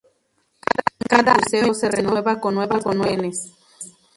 Cada año el museo se renueva con nuevos belenes..